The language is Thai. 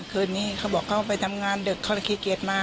คืนนี้เขาบอกเขาไปทำงานเด็กเขาเครียดมา